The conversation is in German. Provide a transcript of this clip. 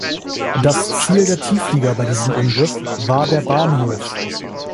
Das Ziel der Tiefflieger bei diesem Angriff war der Bahnhof.